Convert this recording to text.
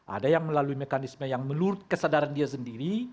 ada yang melalui mekanisme yang menurut kesadaran dia sendiri